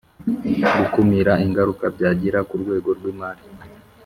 Gukumira ingaruka byagira ku rwego rw imari